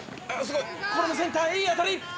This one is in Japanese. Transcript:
「これもセンターいい当たり」